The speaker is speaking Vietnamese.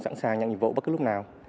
sẵn sàng nhận nhiệm vụ bất cứ lúc nào